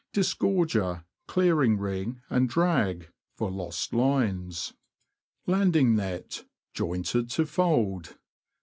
Disgorger, clearing ring, and drag (for lost lines). Landing net, jointed to fold.